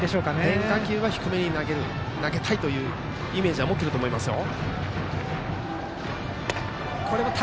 変化球は低めに投げたいというイメージは持ってると思いますよ。